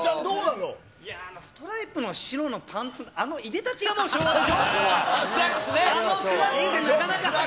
ストライプの白のパンツ、あのいでたちがもう昭和でしょ。